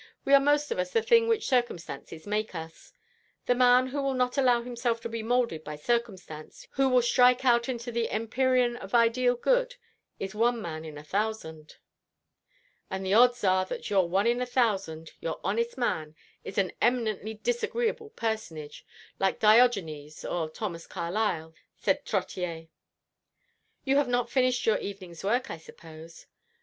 We are most of us the thing which circumstances make us. The man who will not allow himself to be moulded by circumstance, who will strike out into the empyrean of ideal good, is one man in a thousand." "And the odds are that your one in a thousand, your honest man, is an eminently disagreeable personage like Diogenes or Thomas Carlyle," said Trottier. "You have not finished your evening's work, I suppose?"